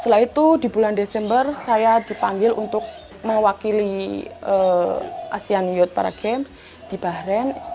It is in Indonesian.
setelah itu di bulan desember saya dipanggil untuk mewakili asean youth para games di bahrain